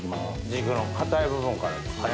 軸の硬い部分からですね。